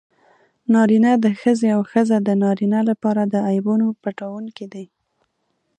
نارینه د ښځې او ښځه د نارینه لپاره د عیبونو پټوونکي دي.